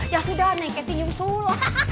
ya sudah neng kety nyusul